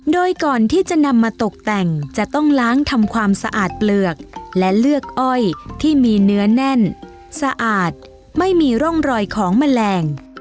โดยก่อนที่จะนำมาตกแต่งจะต้องล้างทำความสะอาดเปลือกและเลือกอ้อยที่มีเนื้อแน่นสะอาดไม่มีร่องรอยของแมลง